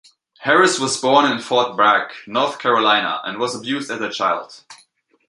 Harris was born in Fort Bragg, North Carolina and was abused as a child.